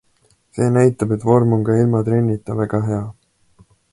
See näitab, et vorm on ka ilma trennita väga hea.